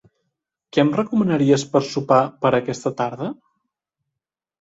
Què em recomanaries per sopar per aquesta tarda?